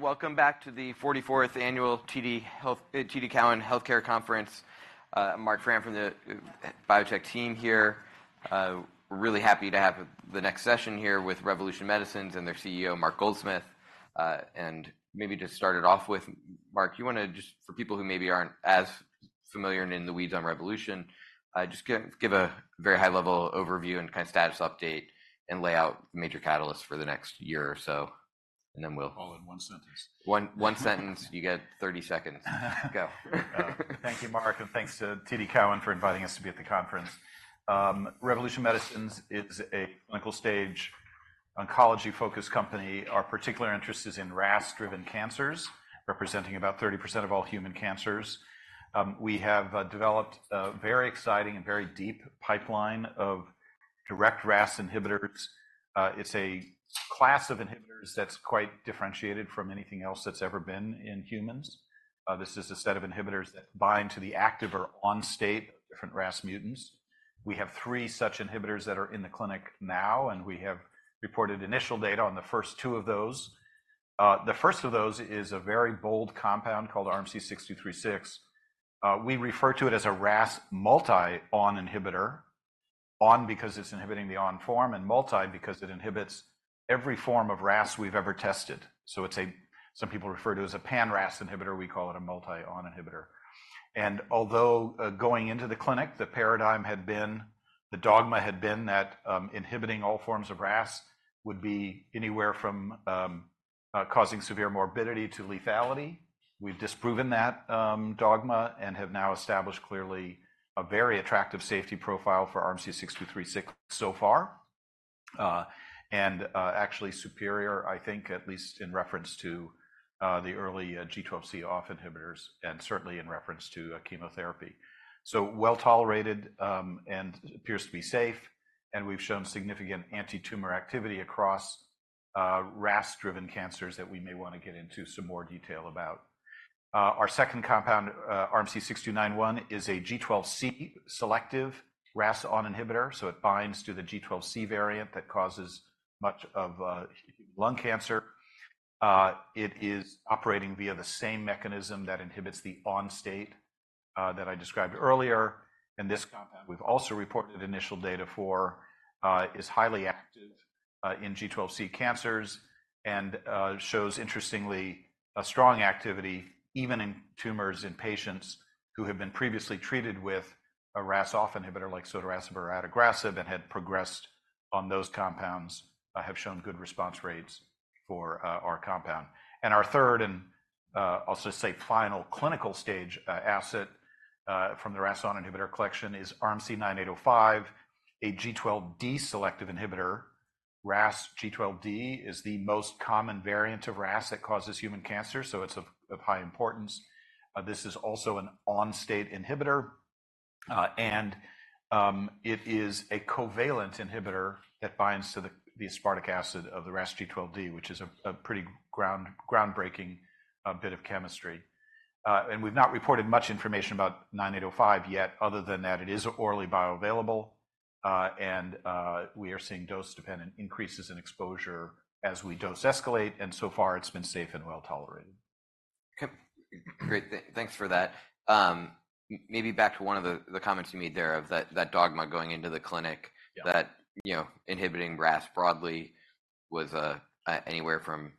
Welcome back to the 44th annual TD Cowen Healthcare Conference. Marc Frahm from the biotech team here. Really happy to have the next session here with Revolution Medicines and their CEO, Mark Goldsmith. Maybe just start it off with, Mark, you wanna just, for people who maybe aren't as familiar in the weeds on Revolution, just give, give a very high-level overview and kind of status update and lay out the major catalysts for the next year or so, and then we'll- All in one sentence. One, one sentence. You get 30 seconds. Go. Thank you, Mark, and thanks to TD Cowen for inviting us to be at the conference. Revolution Medicines is a clinical-stage oncology-focused company. Our particular interest is in RAS-driven cancers, representing about 30% of all human cancers. We have developed a very exciting and very deep pipeline of direct RAS inhibitors. It's a class of inhibitors that's quite differentiated from anything else that's ever been in humans. This is a set of inhibitors that bind to the active or on-state of different RAS mutants. We have three such inhibitors that are in the clinic now, and we have reported initial data on the first two of those. The first of those is a very bold compound called RMC-6236. We refer to it as a RAS multi(ON) inhibitor, on because it's inhibiting the on form, and multi because it inhibits every form of RAS we've ever tested. So some people refer to it as a pan-RAS inhibitor. We call it a multi-RAS(ON) inhibitor. And although, going into the clinic, the paradigm had been the dogma had been that inhibiting all forms of RAS would be anywhere from causing severe morbidity to lethality. We've disproven that dogma and have now established clearly a very attractive safety profile for RMC-6236 so far, and actually superior, I think, at least in reference to the early G12C RAS(OFF) inhibitors and certainly in reference to chemotherapy. So well-tolerated, and appears to be safe. And we've shown significant anti-tumor activity across RAS-driven cancers that we may wanna get into some more detail about. Our second compound, RMC-6291, is a G12C selective RAS(ON) inhibitor. So it binds to the G12C variant that causes much of lung cancer. It is operating via the same mechanism that inhibits the on state, that I described earlier. This compound we've also reported initial data for is highly active in G12C cancers and shows interestingly a strong activity even in tumors in patients who have been previously treated with a RAS(OFF) inhibitor like sotorasib or adagrasib and had progressed on those compounds; they have shown good response rates for our compound. Our third and, I'll just say final clinical stage asset from the RAS(ON) inhibitor collection is RMC-9805, a G12D selective inhibitor. RAS G12D is the most common variant of RAS that causes human cancer, so it's of high importance. This is also an on-state inhibitor. It is a covalent inhibitor that binds to the aspartic acid of the RAS G12D, which is a pretty groundbreaking bit of chemistry. We've not reported much information about 9805 yet. Other than that, it is orally bioavailable, and we are seeing dose-dependent increases in exposure as we dose escalate. So far, it's been safe and well-tolerated. Okay. Great. Thanks for that. Maybe back to one of the comments you made there of that dogma going into the clinic. Yeah. That, you know, inhibiting RAS broadly was anywhere from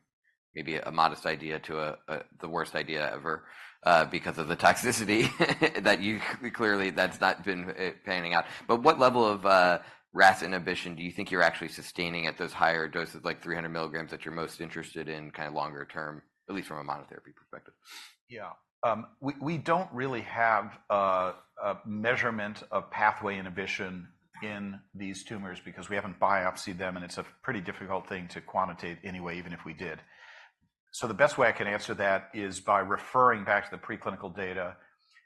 maybe a modest idea to a the worst idea ever, because of the toxicity that you clearly that's not been panning out. But what level of RAS inhibition do you think you're actually sustaining at those higher doses, like 300 milligrams that you're most interested in, kind of longer term, at least from a monotherapy perspective? Yeah. We don't really have a measurement of pathway inhibition in these tumors because we haven't biopsied them, and it's a pretty difficult thing to quantitate anyway, even if we did. So the best way I can answer that is by referring back to the preclinical data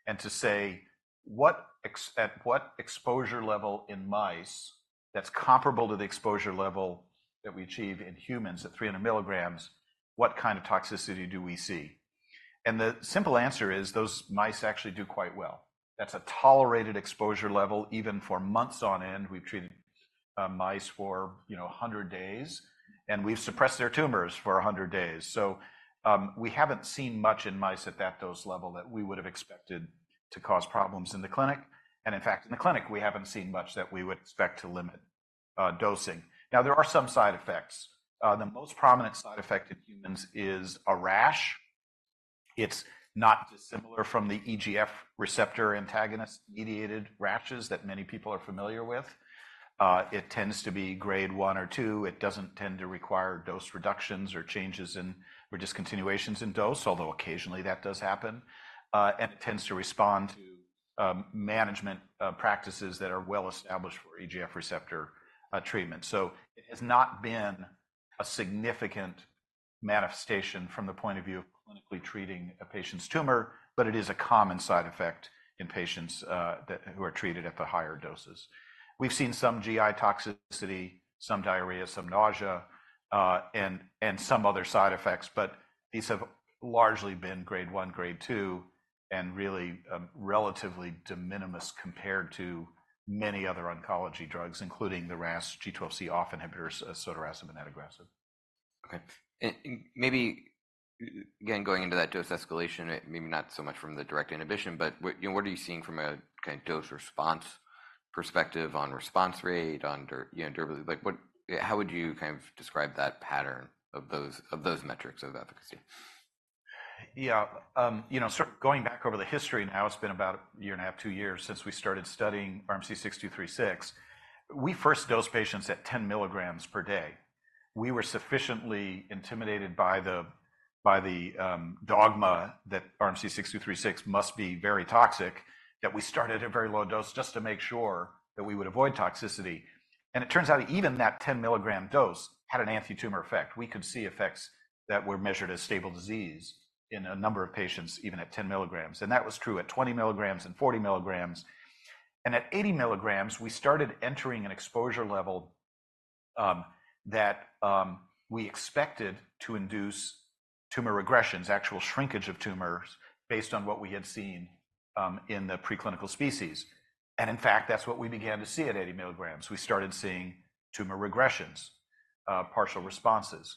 and to say, what, at what exposure level in mice that's comparable to the exposure level that we achieve in humans at 300 milligrams, what kind of toxicity do we see? And the simple answer is those mice actually do quite well. That's a tolerated exposure level even for months on end. We've treated mice for, you know, 100 days, and we've suppressed their tumors for 100 days. So, we haven't seen much in mice at that dose level that we would have expected to cause problems in the clinic. And in fact, in the clinic, we haven't seen much that we would expect to limit dosing. Now, there are some side effects. The most prominent side effect in humans is a rash. It's not dissimilar from the EGF receptor antagonist-mediated rashes that many people are familiar with. It tends to be grade one or two. It doesn't tend to require dose reductions or changes in or discontinuations in dose, although occasionally that does happen. And it tends to respond to management practices that are well-established for EGF receptor treatment. So it has not been a significant manifestation from the point of view of clinically treating a patient's tumor, but it is a common side effect in patients that who are treated at the higher doses. We've seen some GI toxicity, some diarrhea, some nausea, and, and some other side effects. But these have largely been grade 1, grade 2, and really, relatively de minimis compared to many other oncology drugs, including the RAS G12C(OFF) inhibitors, sotorasib and adagrasib. Okay. And maybe, again, going into that dose escalation, it may be not so much from the direct inhibition, but what, you know, what are you seeing from a kind of dose response perspective on response rate, on, you know, durability? Like, how would you kind of describe that pattern of those metrics of efficacy? Yeah. You know, so going back over the history now, it's been about a year and a half, two years since we started studying RMC-6236. We first dosed patients at 10 milligrams per day. We were sufficiently intimidated by the dogma that RMC-6236 must be very toxic that we started at a very low dose just to make sure that we would avoid toxicity. And it turns out even that 10 milligram dose had an anti-tumor effect. We could see effects that were measured as stable disease in a number of patients even at 10 milligrams. And that was true at 20 milligrams and 40 milligrams. And at 80 milligrams, we started entering an exposure level that we expected to induce tumor regressions, actual shrinkage of tumors based on what we had seen in the preclinical species. And in fact, that's what we began to see at 80 milligrams. We started seeing tumor regressions, partial responses.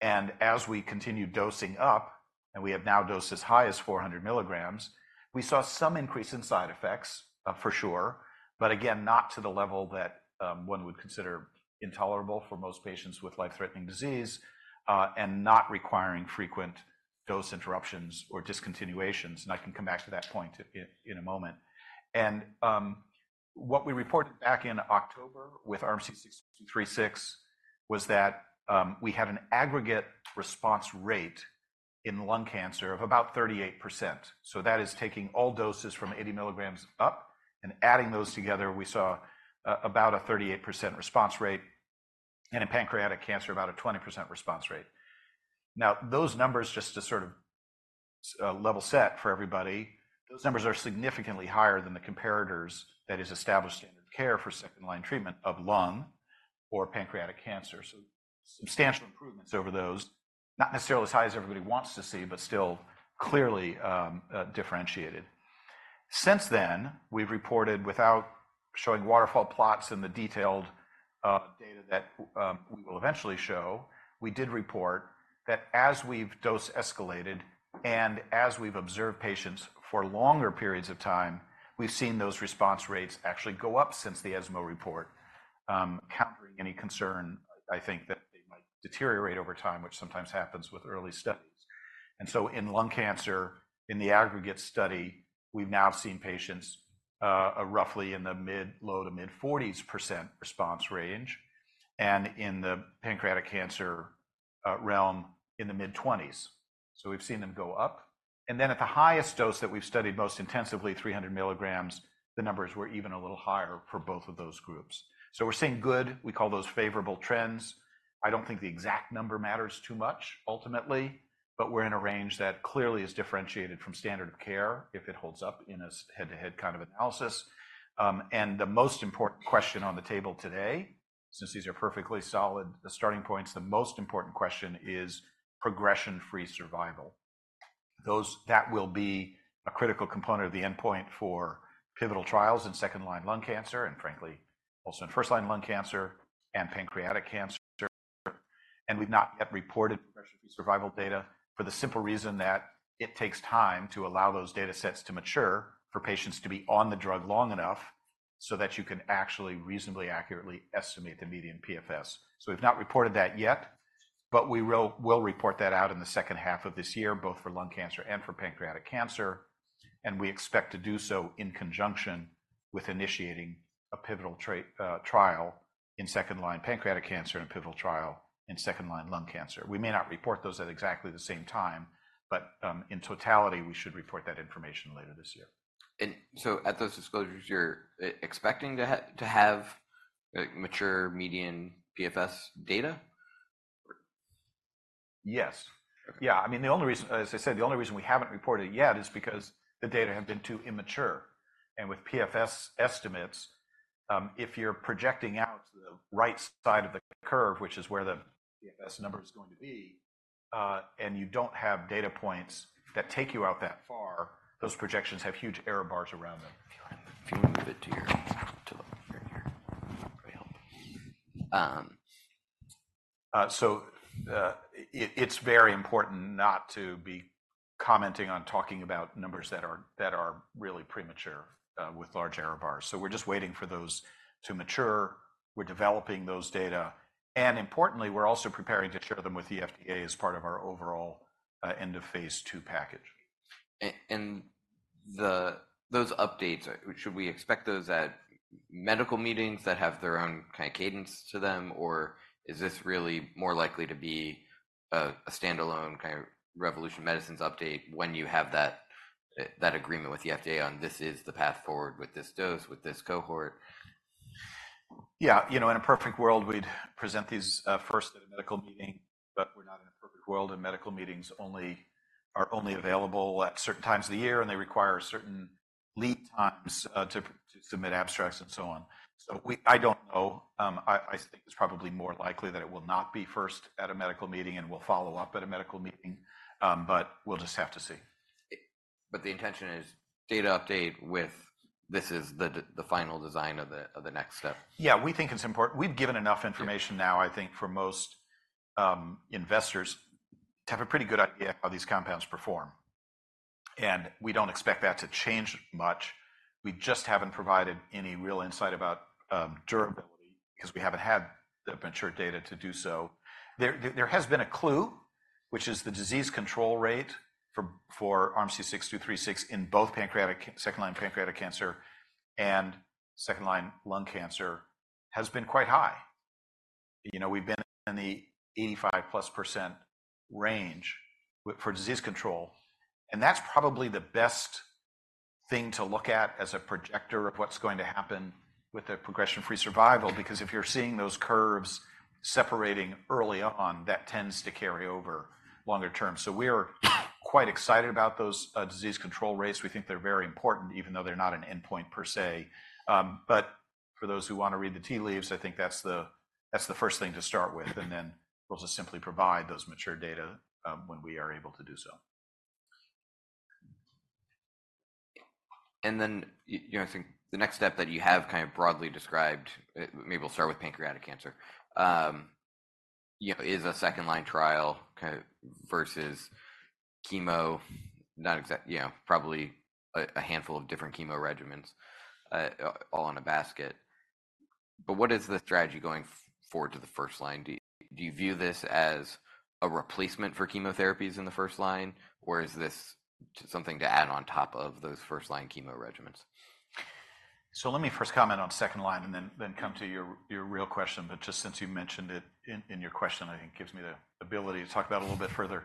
And as we continued dosing up, and we have now dosed as high as 400 milligrams, we saw some increase in side effects, for sure, but again, not to the level that one would consider intolerable for most patients with life-threatening disease, and not requiring frequent dose interruptions or discontinuations. And I can come back to that point in a moment. And what we reported back in October with RMC-6236 was that we had an aggregate response rate in lung cancer of about 38%. So that is taking all doses from 80 milligrams up and adding those together, we saw about a 38% response rate and in pancreatic cancer, about a 20% response rate. Now, those numbers, just to sort of, level set for everybody, those numbers are significantly higher than the comparators that is established standard care for second-line treatment of lung or pancreatic cancer. So substantial improvements over those, not necessarily as high as everybody wants to see, but still clearly, differentiated. Since then, we've reported without showing waterfall plots in the detailed, data that, we will eventually show, we did report that as we've dose escalated and as we've observed patients for longer periods of time, we've seen those response rates actually go up since the ESMO report, countering any concern, I think, that they might deteriorate over time, which sometimes happens with early studies. And so in lung cancer, in the aggregate study, we've now seen patients, roughly in the mid-low to mid-40s% response range and in the pancreatic cancer, realm in the mid-20s%. So we've seen them go up. And then at the highest dose that we've studied most intensively, 300 milligrams, the numbers were even a little higher for both of those groups. So we're seeing good, we call those favorable trends. I don't think the exact number matters too much ultimately, but we're in a range that clearly is differentiated from standard of care if it holds up in a head-to-head kind of analysis. And the most important question on the table today, since these are perfectly solid starting points, the most important question is progression-free survival. Those that will be a critical component of the endpoint for pivotal trials in second-line lung cancer and, frankly, also in first-line lung cancer and pancreatic cancer. We've not yet reported progression-free survival data for the simple reason that it takes time to allow those data sets to mature for patients to be on the drug long enough so that you can actually reasonably accurately estimate the median PFS. So we've not reported that yet, but we will report that out in the second half of this year, both for lung cancer and for pancreatic cancer. We expect to do so in conjunction with initiating a pivotal trial in second-line pancreatic cancer and a pivotal trial in second-line lung cancer. We may not report those at exactly the same time, but in totality, we should report that information later this year. So at those disclosures, you're expecting to have, like, mature median PFS data? Yes. Okay. Yeah. I mean, the only reason as I said, the only reason we haven't reported yet is because the data have been too immature. And with PFS estimates, if you're projecting out the right side of the curve, which is where the PFS number is going to be, and you don't have data points that take you out that far, those projections have huge error bars around them. If you wanna move it to the right here, that might probably help. So, it's very important not to be commenting on talking about numbers that are really premature, with large error bars. So we're just waiting for those to mature. We're developing those data. And importantly, we're also preparing to share them with the FDA as part of our overall, end-of-phase two package. And those updates, should we expect those at medical meetings that have their own kind of cadence to them, or is this really more likely to be a standalone kind of Revolution Medicines update when you have that agreement with the FDA on this is the path forward with this dose, with this cohort? Yeah. You know, in a perfect world, we'd present these first at a medical meeting. But we're not in a perfect world. And medical meetings are only available at certain times of the year, and they require certain lead times to submit abstracts and so on. So, I don't know. I think it's probably more likely that it will not be first at a medical meeting and we'll follow up at a medical meeting. But we'll just have to see. But the intention is data update with this is the final design of the next step? Yeah. We think it's important. We've given enough information now, I think, for most investors to have a pretty good idea how these compounds perform. And we don't expect that to change much. We just haven't provided any real insight about durability because we haven't had the mature data to do so. There has been a clue, which is the disease control rate for RMC-6236 in both pancreatic ca second-line pancreatic cancer and second-line lung cancer has been quite high. You know, we've been in the 85%+ range for disease control. And that's probably the best thing to look at as a projector of what's going to happen with the progression-free survival because if you're seeing those curves separating early on, that tends to carry over longer term. So we're quite excited about those disease control rates. We think they're very important, even though they're not an endpoint per se. But for those who wanna read the tea leaves, I think that's the first thing to start with. And then we'll just simply provide those mature data, when we are able to do so. And then you know, I think the next step that you have kind of broadly described, maybe we'll start with pancreatic cancer, you know, is a second-line trial kind of versus chemo, not exactly, you know, probably a handful of different chemo regimens, all on a basket. But what is the strategy going forward to the first-line? Do you view this as a replacement for chemotherapies in the first-line, or is this something to add on top of those first-line chemo regimens? So let me first comment on second line and then, then come to your, your real question. But just since you mentioned it in, in your question, I think gives me the ability to talk about it a little bit further.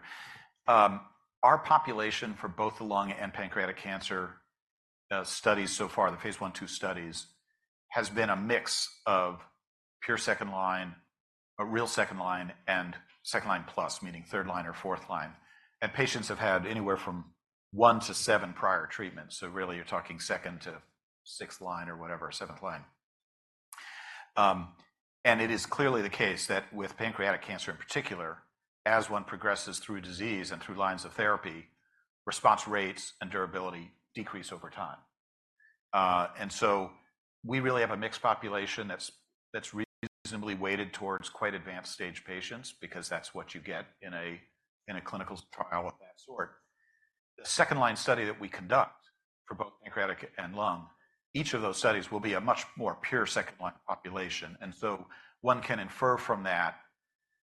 Our population for both the lung and pancreatic cancer studies so far, the Phase I, Phase II studies, has been a mix of pure second line, real second line, and second line plus, meaning third line or fourth line. And patients have had anywhere from 1 to 7 prior treatments. So really, you're talking second to sixth line or whatever, seventh line. And it is clearly the case that with pancreatic cancer in particular, as one progresses through disease and through lines of therapy, response rates and durability decrease over time. So we really have a mixed population that's reasonably weighted towards quite advanced stage patients because that's what you get in a clinical trial of that sort. The second-line study that we conduct for both pancreatic and lung, each of those studies will be a much more pure second-line population. So one can infer from that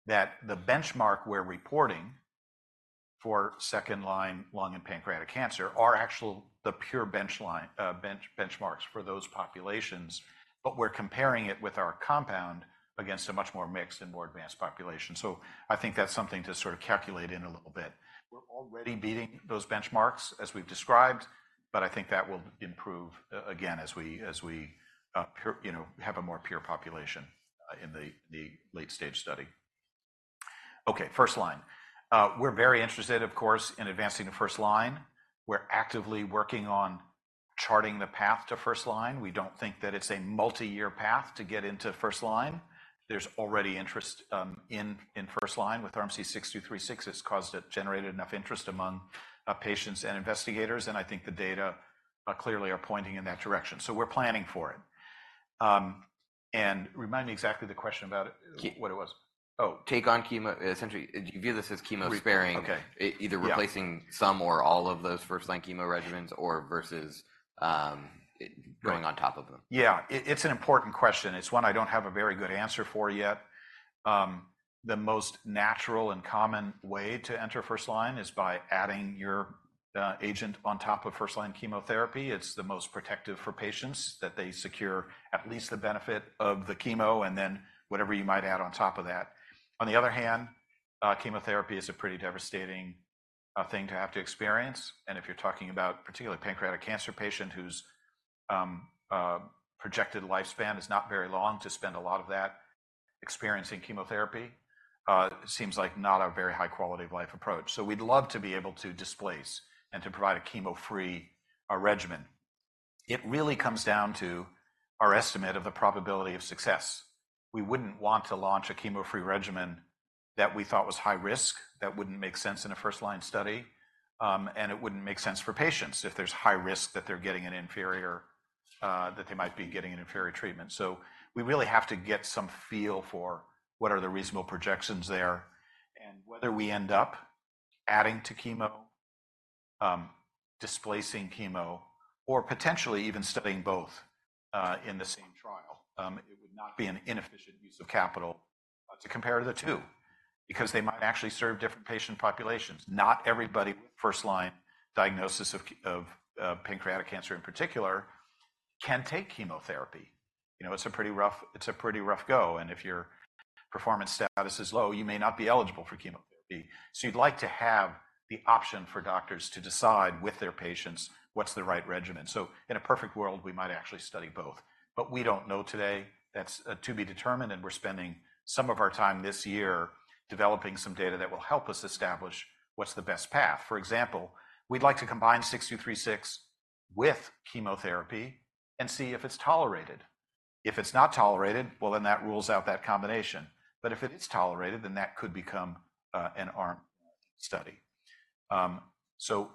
that the benchmark we're reporting for second-line lung and pancreatic cancer are actually the pure baseline benchmarks for those populations. But we're comparing it, our compound, against a much more mixed and more advanced population. So I think that's something to sort of calculate in a little bit. We're already beating those benchmarks as we've described, but I think that will improve, again as we pure you know have a more pure population in the late-stage study. Okay. first-line. We're very interested, of course, in advancing to first-line. We're actively working on charting the path to first-line. We don't think that it's a multi-year path to get into first-line. There's already interest in first-line with RMC-6236. It's caused it generated enough interest among patients and investigators. And I think the data clearly are pointing in that direction. So we're planning for it. And remind me exactly the question about I what it was. So, take on chemo, essentially, do you view this as chemo sparing? Chemo. Okay. It either replacing some or all of those first-line chemo regimens or versus, I going on top of them? Yeah. It's an important question. It's one I don't have a very good answer for yet. The most natural and common way to enter first-line is by adding your agent on top of first-line chemotherapy. It's the most protective for patients that they secure at least the benefit of the chemo and then whatever you might add on top of that. On the other hand, chemotherapy is a pretty devastating thing to have to experience. And if you're talking about particularly pancreatic cancer patient whose projected lifespan is not very long to spend a lot of that experiencing chemotherapy, it seems like not a very high-quality-of-life approach. So we'd love to be able to displace and to provide a chemo-free regimen. It really comes down to our estimate of the probability of success. We wouldn't want to launch a chemo-free regimen that we thought was high risk, that wouldn't make sense in a first-line study, and it wouldn't make sense for patients if there's high risk that they're getting an inferior, that they might be getting an inferior treatment. So we really have to get some feel for what are the reasonable projections there and whether we end up adding to chemo, displacing chemo, or potentially even studying both, in the same trial. It would not be an inefficient use of capital, to compare to the two because they might actually serve different patient populations. Not everybody with first-line diagnosis of pancreatic cancer in particular can take chemotherapy. You know, it's a pretty rough go. And if your performance status is low, you may not be eligible for chemotherapy. So you'd like to have the option for doctors to decide with their patients what's the right regimen. So in a perfect world, we might actually study both. But we don't know today. That's to be determined. And we're spending some of our time this year developing some data that will help us establish what's the best path. For example, we'd like to combine 6236 with chemotherapy and see if it's tolerated. If it's not tolerated, well, then that rules out that combination. But if it is tolerated, then that could become an arm study. So,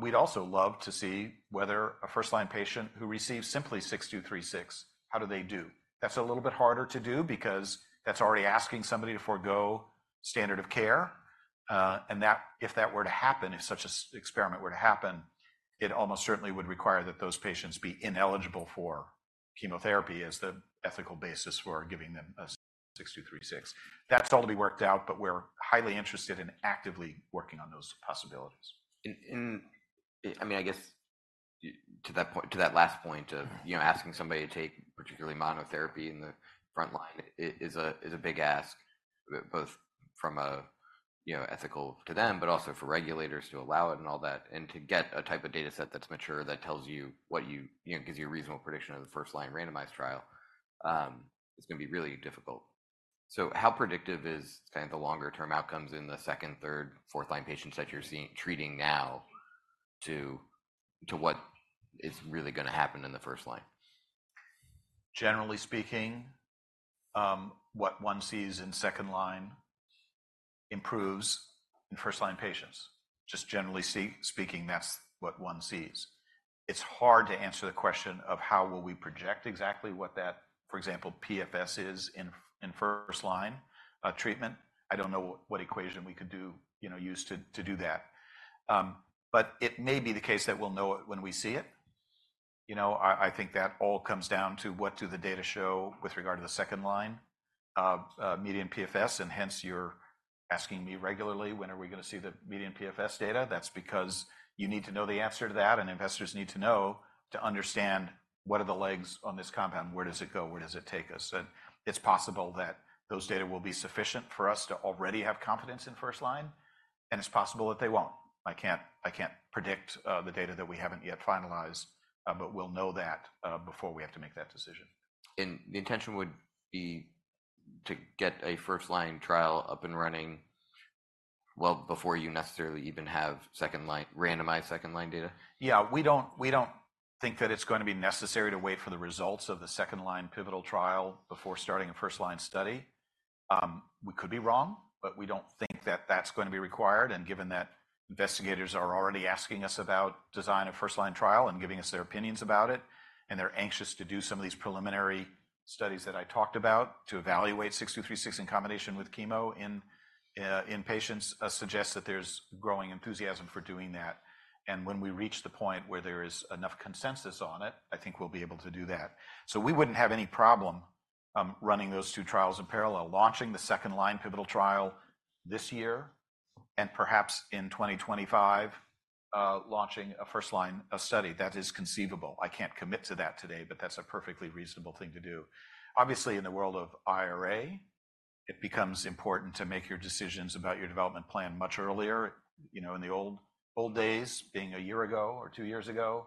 we'd also love to see whether a first-line patient who receives simply 6236, how do they do? That's a little bit harder to do because that's already asking somebody to forgo standard of care. that if that were to happen, if such an experiment were to happen, it almost certainly would require that those patients be ineligible for chemotherapy as the ethical basis for giving them RMC-6236. That's all to be worked out, but we're highly interested in actively working on those possibilities. I mean, I guess, yeah to that point to that last point of, you know, asking somebody to take particularly monotherapy in the front line is a big ask, both from a, you know, ethical to them but also for regulators to allow it and all that. And to get a type of data set that's mature that tells you what you know, gives you a reasonable prediction of the first-line randomized trial, it's gonna be really difficult. So how predictive is kind of the longer-term outcomes in the second, third, fourth-line patients that you're seeing treating now to what is really gonna happen in the first-line? Generally speaking, what one sees in second-line improves in first-line patients. Just generally speaking, that's what one sees. It's hard to answer the question of how will we project exactly what that, for example, PFS is in first-line treatment. I don't know what equation we could do, you know, use to, to do that. It may be the case that we'll know it when we see it. You know, I think that all comes down to what do the data show with regard to the second-line median PFS. And hence, you're asking me regularly, "When are we gonna see the median PFS data?" That's because you need to know the answer to that. And investors need to know to understand what are the legs on this compound? Where does it go? Where does it take us? It's possible that those data will be sufficient for us to already have confidence in first-line. It's possible that they won't. I can't predict the data that we haven't yet finalized, but we'll know that before we have to make that decision. The intention would be to get a first-line trial up and running, well, before you necessarily even have second-line randomized second-line data? Yeah. We don't think that it's gonna be necessary to wait for the results of the second-line pivotal trial before starting a first-line study. We could be wrong, but we don't think that that's gonna be required. And given that investigators are already asking us about design of first-line trial and giving us their opinions about it and they're anxious to do some of these preliminary studies that I talked about to evaluate 6236 in combination with chemo in patients, suggests that there's growing enthusiasm for doing that. And when we reach the point where there is enough consensus on it, I think we'll be able to do that. So we wouldn't have any problem running those two trials in parallel, launching the second-line pivotal trial this year and perhaps in 2025, launching a first-line study. That is conceivable. I can't commit to that today, but that's a perfectly reasonable thing to do. Obviously, in the world of IRA, it becomes important to make your decisions about your development plan much earlier. I, you know, in the old, old days, being a year ago or two years ago,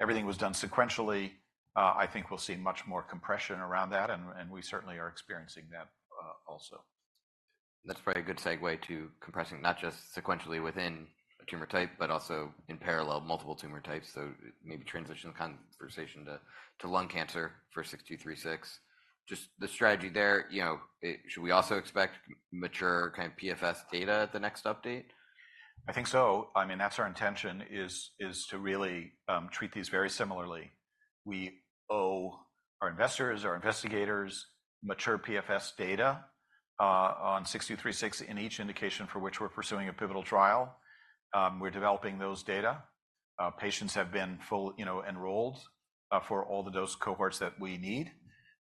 everything was done sequentially. I think we'll see much more compression around that. And we certainly are experiencing that, also. That's probably a good segue to compressing not just sequentially within a tumor type but also in parallel, multiple tumor types. So maybe transition the conversation to lung cancer for 6236. Just the strategy there, you know, should we also expect mature kind of PFS data at the next update? I think so. I mean, that's our intention is to really treat these very similarly. We owe our investors, our investigators, mature PFS data, on 6236 in each indication for which we're pursuing a pivotal trial. We're developing those data. Patients have been fully, you know, enrolled, for all the dose cohorts that we need.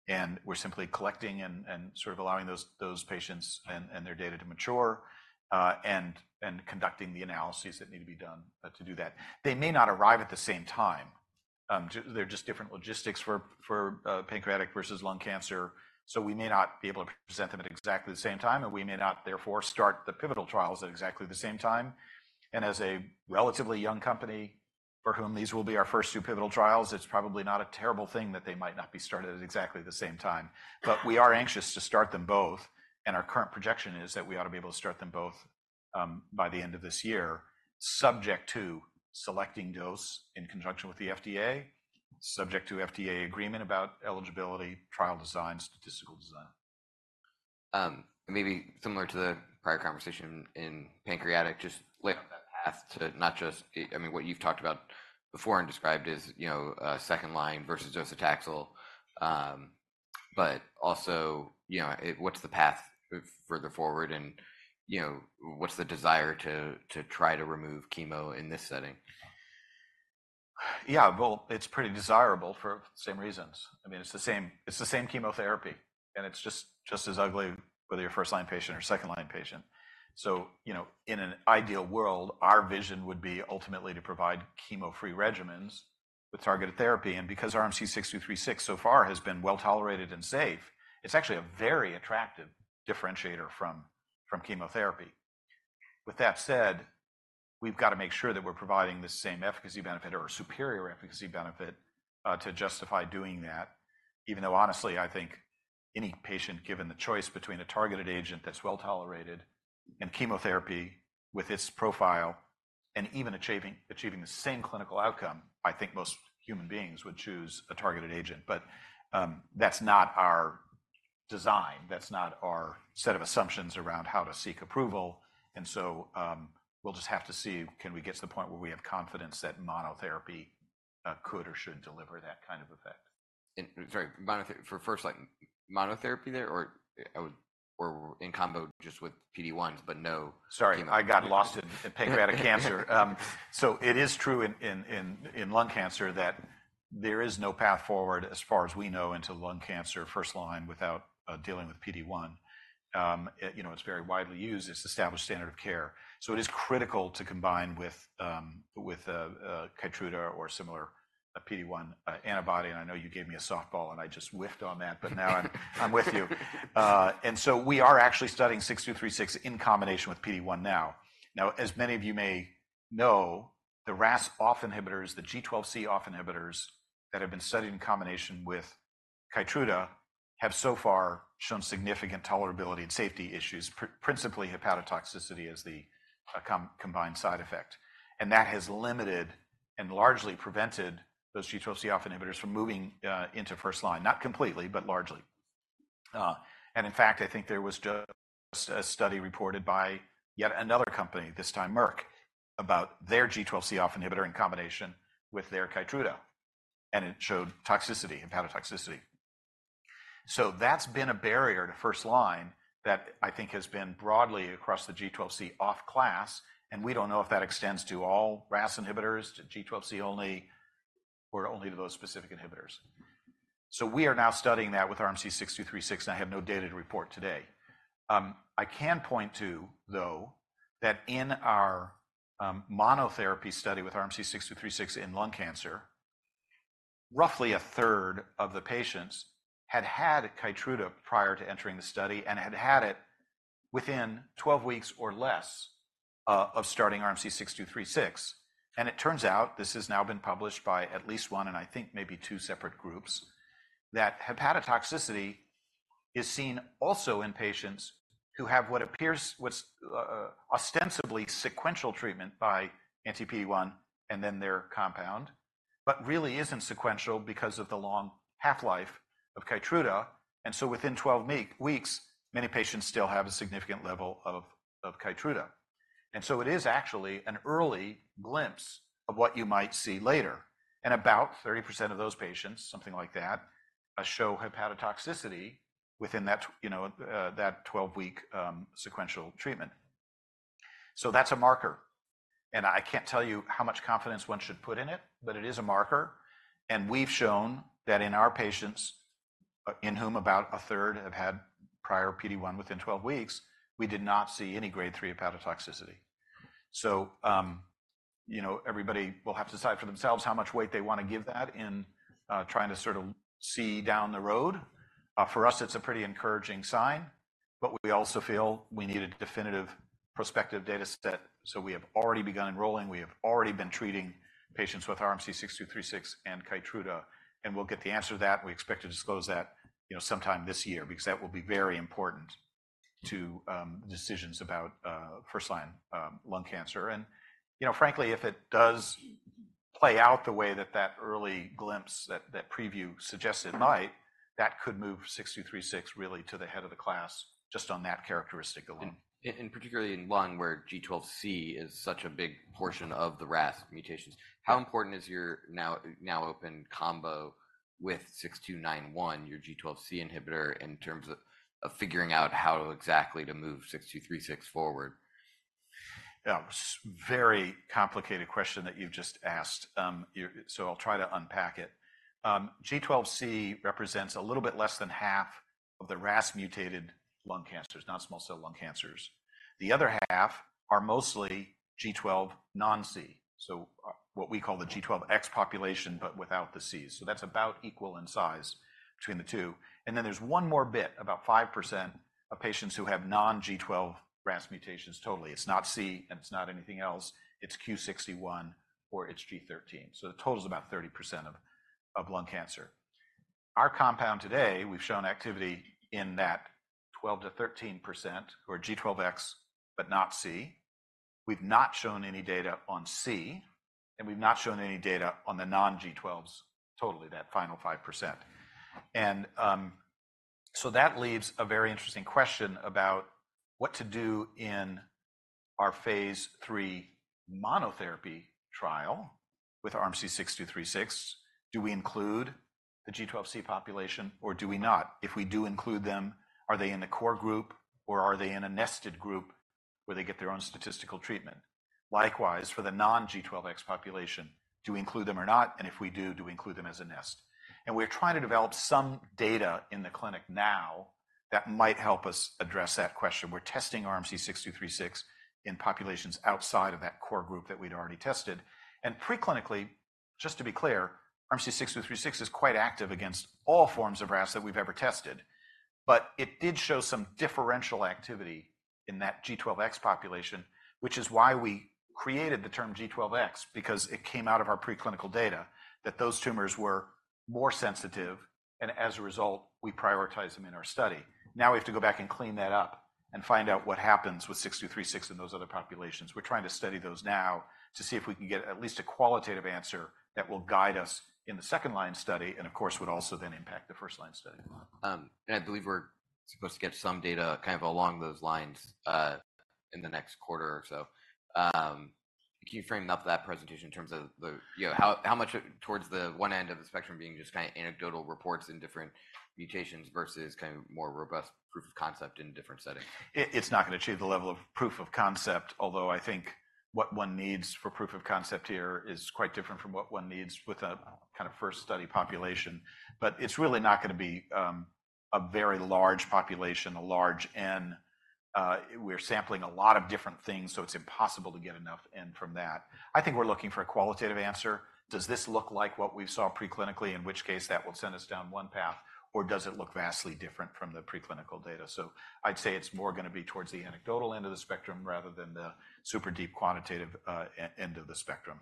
And we're simply collecting and sort of allowing those patients and their data to mature, and conducting the analyses that need to be done, to do that. They may not arrive at the same time. Just, there are just different logistics for pancreatic versus lung cancer. So we may not be able to present them at exactly the same time. And we may not, therefore, start the pivotal trials at exactly the same time. As a relatively young company for whom these will be our first two pivotal trials, it's probably not a terrible thing that they might not be started at exactly the same time. We are anxious to start them both. Our current projection is that we ought to be able to start them both, by the end of this year, subject to selecting dose in conjunction with the FDA, subject to FDA agreement about eligibility, trial design, statistical design. Maybe similar to the prior conversation in pancreatic, just lay out that path to not just, I mean, what you've talked about before and described is, you know, second-line versus docetaxel. But also, you know, what's the path further forward? And, you know, what's the desire to try to remove chemo in this setting? Yeah. Well, it's pretty desirable for same reasons. I mean, it's the same chemotherapy. And it's just as ugly whether you're a first-line patient or second-line patient. So, you know, in an ideal world, our vision would be ultimately to provide chemo-free regimens with targeted therapy. And because RMC-6236 so far has been well-tolerated and safe, it's actually a very attractive differentiator from chemotherapy. With that said, we've gotta make sure that we're providing the same efficacy benefit or superior efficacy benefit to justify doing that, even though, honestly, I think any patient given the choice between a targeted agent that's well-tolerated and chemotherapy with its profile and even achieving the same clinical outcome, I think most human beings would choose a targeted agent. But that's not our design. That's not our set of assumptions around how to seek approval. We'll just have to see, can we get to the point where we have confidence that monotherapy could or should deliver that kind of effect? Sorry, monotherapy for first-line, monotherapy there? Or I would or with in combo just with PD-1s but no chemotherapy? Sorry. I got lost in pancreatic cancer. So it is true in lung cancer that there is no path forward as far as we know into lung cancer first-line without dealing with PD-1. I, you know, it's very widely used. It's established standard of care. So it is critical to combine with Keytruda or similar PD-1 antibody. And I know you gave me a softball, and I just whiffed on that. But now I'm with you. And so we are actually studying 6236 in combination with PD-1 now. Now, as many of you may know, the RAS off-inhibitors, the G12C off-inhibitors that have been studied in combination with Keytruda have so far shown significant tolerability and safety issues, principally hepatotoxicity as the combined side effect. And that has limited and largely prevented those G12C off-inhibitors from moving into first-line, not completely but largely. And in fact, I think there was just a study reported by yet another company, this time Merck, about their G12C OFF inhibitor in combination with their Keytruda. And it showed toxicity, hepatotoxicity. So that's been a barrier to first-line that I think has been broadly across the G12C OFF class. And we don't know if that extends to all RAS inhibitors, to G12C only, or only to those specific inhibitors. So we are now studying that with RMC-6236. And I have no data to report today. I can point to, though, that in our monotherapy study with RMC-6236 in lung cancer, roughly a third of the patients had had Keytruda prior to entering the study and had had it within 12 weeks or less of starting RMC-6236. It turns out - this has now been published by at least one and I think maybe two separate groups - that hepatotoxicity is seen also in patients who have what appears what's, ostensibly sequential treatment by anti-PD-1 and then their compound but really isn't sequential because of the long half-life of Keytruda. And so within 12 weeks, many patients still have a significant level of Keytruda. And so it is actually an early glimpse of what you might see later. And about 30% of those patients, something like that, show hepatotoxicity within that, you know, that 12-week sequential treatment. So that's a marker. And I can't tell you how much confidence one should put in it, but it is a marker. And we've shown that in our patients, in whom about a third have had prior PD-1 within 12 weeks, we did not see any grade 3 hepatotoxicity. So, you know, everybody will have to decide for themselves how much weight they wanna give that in, trying to sort of see down the road. For us, it's a pretty encouraging sign. But we also feel we need a definitive prospective data set. So we have already begun enrolling. We have already been treating patients with RMC-6236 and Keytruda. And we'll get the answer to that. We expect to disclose that, you know, sometime this year because that will be very important to decisions about first-line lung cancer. You know, frankly, if it does play out the way that early glimpse, that preview suggested might, that could move 6236 really to the head of the class just on that characteristic alone. Particularly in lung where G12C is such a big portion of the RAS mutations, how important is your now-open combo with 6291, your G12C inhibitor, in terms of figuring out how exactly to move 6236 forward? It's a very complicated question that you've just asked. So I'll try to unpack it. G12C represents a little bit less than half of the RAS-mutated lung cancers, not small-cell lung cancers. The other half are mostly G12 non-C, so what we call the G12X population but without the Cs. So that's about equal in size between the two. And then there's one more bit, about 5% of patients who have non-G12 RAS mutations totally. It's not C, and it's not anything else. It's Q61, or it's G13. So the total is about 30% of lung cancer. Our compound today, we've shown activity in that 12%-13% who are G12X but not C. We've not shown any data on C. And we've not shown any data on the non-G12s totally, that final 5%. So that leaves a very interesting question about what to do in our phase III monotherapy trial with RMC-6236. Do we include the G12C population, or do we not? If we do include them, are they in a core group, or are they in a nested group where they get their own statistical treatment? Likewise, for the non-G12X population, do we include them or not? And if we do, do we include them as a nest? And we're trying to develop some data in the clinic now that might help us address that question. We're testing RMC-6236 in populations outside of that core group that we'd already tested. And preclinically, just to be clear, RMC-6236 is quite active against all forms of RAS that we've ever tested. But it did show some differential activity in that G12X population, which is why we created the term G12X because it came out of our preclinical data that those tumors were more sensitive. And as a result, we prioritized them in our study. Now, we have to go back and clean that up and find out what happens with 6236 and those other populations. We're trying to study those now to see if we can get at least a qualitative answer that will guide us in the second-line study and, of course, would also then impact the first-line study. I believe we're supposed to get some data kind of along those lines, in the next quarter or so. Can you frame enough of that presentation in terms of the, you know, how, how much towards the one end of the spectrum being just kind of anecdotal reports in different mutations versus kind of more robust proof of concept in different settings? It's not gonna achieve the level of proof of concept, although I think what one needs for proof of concept here is quite different from what one needs with a kind of first-study population. But it's really not gonna be a very large population, we're sampling a lot of different things, so it's impossible to get enough N from that. I think we're looking for a qualitative answer. Does this look like what we saw preclinically, in which case that will send us down one path? Or does it look vastly different from the preclinical data? So I'd say it's more gonna be towards the anecdotal end of the spectrum rather than the super deep quantitative end of the spectrum.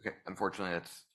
Okay. Unfortunately, that's all the.